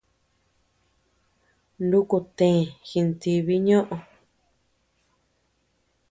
Nuku të jintibi ñoʼö.